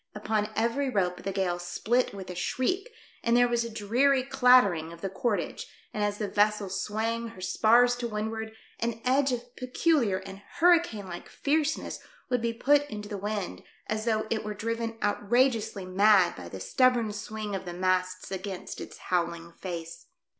Upon every rope the gale split with a shriek, and there was a dreary clattering of the cord age, and as the vessel swang her spars to windward, an edge of peculiar and hurricane like fierceness would be put into the wind, as though it were driven outrageously mad by the stubborn swing of the masts against THE DEATH SHIP MUST BE SLOW AT PLYING. I5I its howling face.